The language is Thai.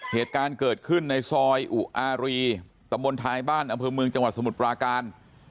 เหตุการณ์เกิดขึ้นในซอยอุอารีตะมนตทายบ้านอำเภอเมืองจังหวัดสมุทรปราการ